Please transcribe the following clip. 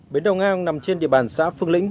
bến đầu ngang nằm trên địa bàn xã phương lĩnh